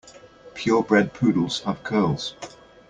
Pure bred poodles have curls.